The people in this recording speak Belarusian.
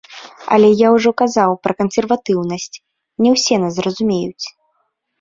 Але я ўжо казаў пра кансерватыўнасць, не ўсе нас зразумеюць.